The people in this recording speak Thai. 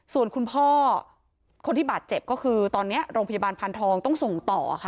ส่วนคุณพ่อคนที่บาดเจ็บก็คือตอนนี้โรงพยาบาลพานทองต้องส่งต่อค่ะ